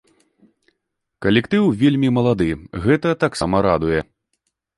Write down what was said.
Калектыў вельмі малады, гэта таксама радуе.